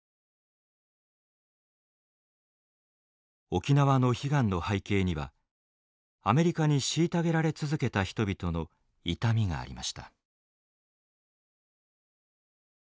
沖縄の悲願の背景にはアメリカに虐げられ続けた人々の痛みがありました。